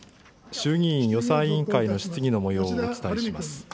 衆議院予算委員会の質疑のもようをお伝えします。